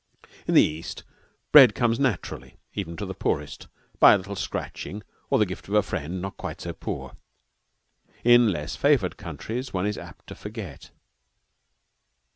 In the East bread comes naturally, even to the poorest, by a little scratching or the gift of a friend not quite so poor. In less favored countries one is apt to forget.